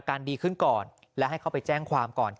วันนี้ทีมข่าวไทยรัฐทีวีไปสอบถามเพิ่ม